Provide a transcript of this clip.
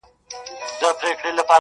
ټوله شپه خوبونه وي,